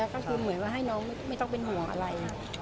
ก็คือให้น้องไม่ต้องเป็นห่วงอะไร